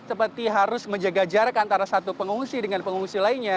seperti harus menjaga jarak antara satu pengungsi dengan pengungsi lainnya